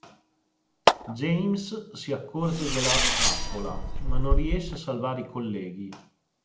James si accorge della trappola, ma non riesce a salvare i colleghi.